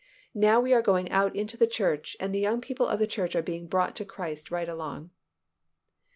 Now we are going out into the church and the young people of the church are being brought to Christ right along."